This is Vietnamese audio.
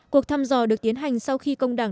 cuộc thăm dò được tiến hành sau khi công đảng